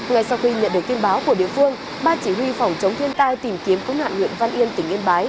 ngay sau khi nhận được tin báo của địa phương ba chỉ huy phòng chống thiên tai tìm kiếm cung hạn huyện văn yên tỉnh yên bái